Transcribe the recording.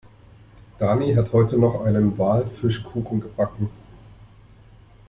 Dani hat heute noch einen Walfischkuchen gebacken.